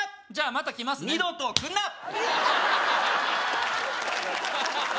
じゃあまた来ますね二度と来んな！